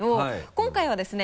今回はですね